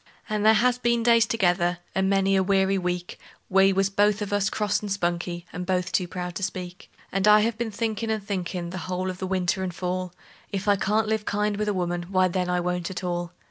And there has been days together and many a weary week We was both of us cross and spunky, and both too proud to speak; And I have been thinkin' and thinkin', the whole of the winter and fall, If I can't live kind with a woman, why, then, I won't at all.